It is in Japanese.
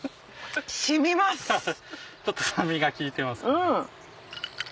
ちょっと酸味が効いてますよね。